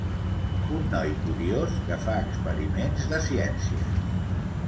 Un noi curiós que fa experiments de ciències.